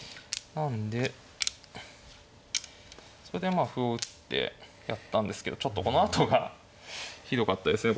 なんでそれでまあ歩を打ってやったんですけどちょっとこのあとがひどかったですね